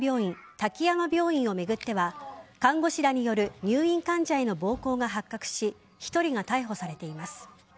滝山病院を巡っては看護師らによる入院患者への暴行が発覚し１人が逮捕されています。